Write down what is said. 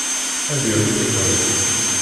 Ad yerwel Tom.